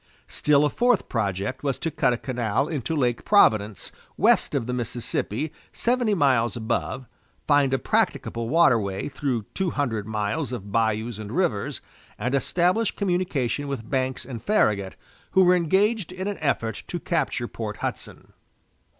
Still a fourth project was to cut a canal into Lake Providence west of the Mississippi, seventy miles above, find a practicable waterway through two hundred miles of bayous and rivers, and establish communication with Banks and Farragut, who were engaged in an effort to capture Port Hudson.